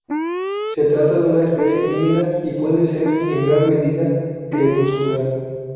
Se trata de una especie tímida, y puede ser en gran medida crepuscular.